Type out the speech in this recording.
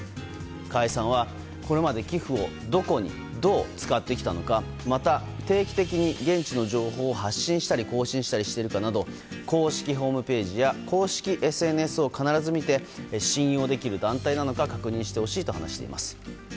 河合さんはこれまで寄付をどこにどう使ってきたのかまた、定期的に現地の情報を発信したり更新したりしてるかなど公式ホームページや公式ＳＮＳを必ず見て信用できる団体なのか確認してほしいと話します。